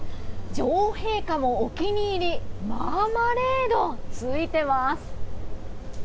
女王陛下もお気に入りマーマレード、付いてます。